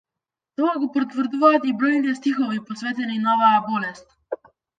Тоа го потврдуваат и бројните стихови посветени на оваа болест.